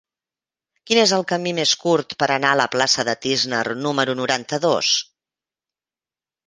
Quin és el camí més curt per anar a la plaça de Tísner número noranta-dos?